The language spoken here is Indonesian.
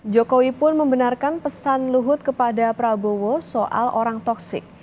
jokowi pun membenarkan pesan luhut kepada prabowo soal orang toksik